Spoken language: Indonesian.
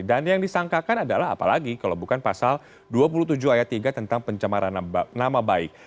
dan yang disangkakan adalah apalagi kalau bukan pasal dua puluh tujuh ayat tiga tentang pencemaran nama baik